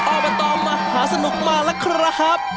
อบตมหาสนุกมาแล้วครับ